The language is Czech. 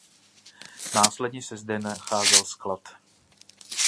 Následně se zde nacházel sklad.